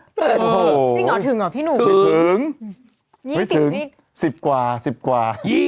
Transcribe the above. จริงเหรอถึงเหรอพี่หนุ่มไม่ถึงไม่ถึงสิบกว่าสิบกว่า